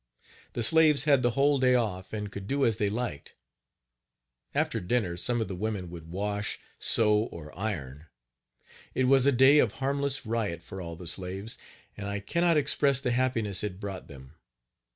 The slaves had the whole day off, and could do as they liked. After Page 51 dinner some of the women would wash, sew or iron. It was a day of harmless riot for all the slaves, and I can not express the happiness it brought them.